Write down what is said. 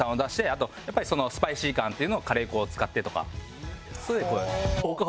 あとやっぱりスパイシー感っていうのをカレー粉を使ってとか。